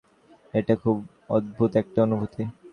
এটা খুব অদ্ভুত একটা অনুভূতি।